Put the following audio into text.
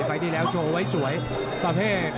ที่แล้วโชว์ไว้สวยประเภท